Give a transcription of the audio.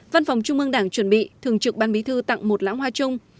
văn phòng trung ương đảng chuẩn bị thường trực ban bí thư tặng một lãng hoa chung